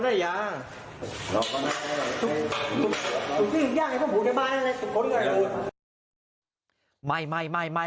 หิ้งยาไงพ่อพูดในบ้านนั้นนะเลยฆ่า